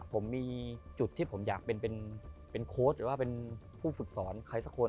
ผมมีจุดที่ผมอยากเป็นโค้ชหรือว่าเป็นผู้ฝึกสอนใครสักคน